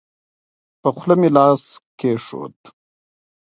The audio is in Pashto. په خوله مې لاس کېښود.